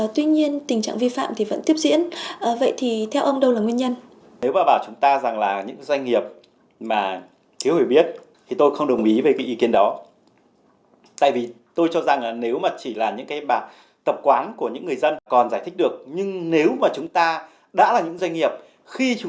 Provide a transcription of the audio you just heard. tuy nhiên tình trạng vi phạm vẫn tiếp diễn vậy thì theo ông đâu là nguyên nhân